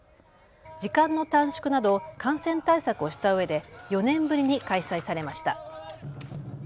時間の短縮など感染対策をしたうえで４年ぶりに開催されました。